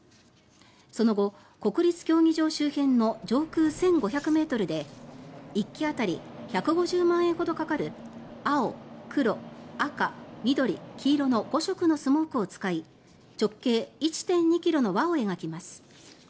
その後、国立競技場周辺の上空１５００ｍで１機当たり１５０万円ほどかかる青、黒、赤、緑、黄色の５色のスモークを使い直径１．２ｋｍの輪を描きます。